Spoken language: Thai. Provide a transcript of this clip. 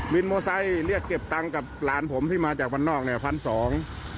โมไซค์เรียกเก็บตังค์กับหลานผมที่มาจากบ้านนอกเนี่ยพันสอง